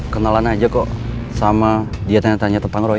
kenalan aja kok sama dia tanya tanya tentang roy